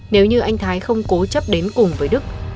nếu như anh thái không cố chấp đến cùng với đức